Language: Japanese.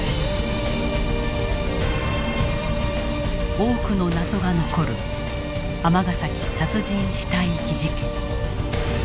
多くの謎が残る尼崎殺人死体遺棄事件。